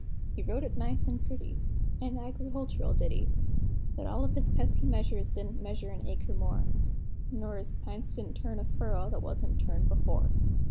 He wrote it nice and pretty an agricultural ditty; But all o' his pesky measures didn't measure an acre more, Nor his p'ints didn't turn a furrow that wasn't turned before.